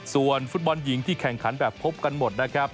ส่วนส่วนยิงที่แข่งขันแบบพบกันหมดนะครับ